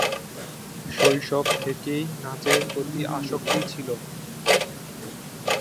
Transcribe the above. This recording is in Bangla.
শৈশব থেকেই নাচের প্রতি আসক্তি ছিল।